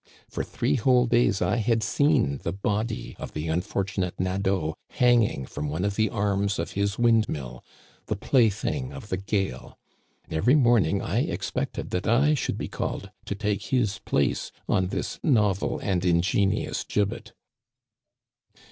For three whole days I had seen the body of the unfortunate Nadeau hanging from one of the arms of his wind mill, the plaything of the gale. Every morning I expected that I should be called to take his place on this novel and ingenious gibbet.'"